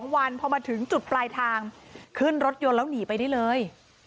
วันพอมาถึงจุดปลายทางขึ้นรถยนต์แล้วหนีไปได้เลย